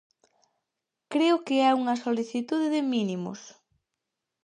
Creo que é unha solicitude de mínimos.